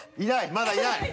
まだいない？